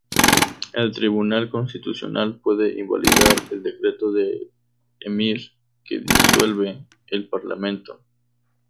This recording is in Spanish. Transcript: El Tribunal Constitucional puede invalidar el decreto del emir que disuelve el parlamento.